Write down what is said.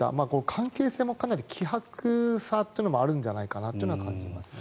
関係性もかなり希薄さもあるんじゃないかなと感じますね。